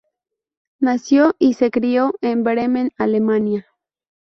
Nació y se crio en Bremen, Alemania.